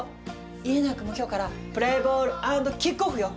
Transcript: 家長くんも今日からプレイボール＆キックオフよ。